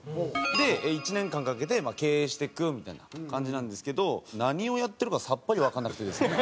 で１年間かけて経営していくよみたいな感じなんですけど何をやってるかさっぱりわかんなくてですね。